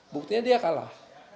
buktinya dia kalah